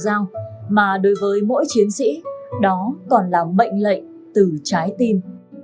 giao mà đối với mỗi chiến sĩ đó còn là mệnh lệnh từ trái tim